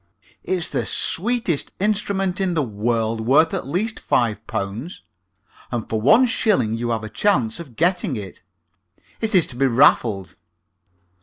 It's the sweetest instrument in the world, worth at least five pounds, and for one shilling you have a chance of getting it. It is to be raffled."